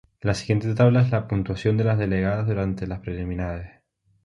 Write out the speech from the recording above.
La siguiente tabla es la puntuación de las delegadas durante las preliminares.